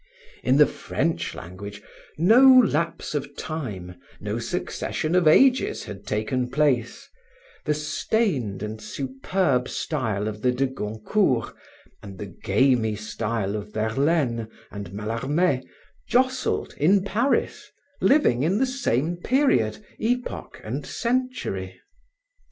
In the French language, no lapse of time, no succession of ages had taken place; the stained and superb style of the de Goncourts and the gamy style of Verlaine and Mallarme jostled in Paris, living in the same period, epoch and century.